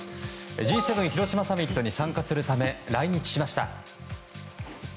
Ｇ７広島サミットに参加するため来日しました。